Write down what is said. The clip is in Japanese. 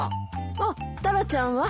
あっタラちゃんは？